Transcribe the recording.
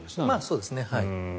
そうですね。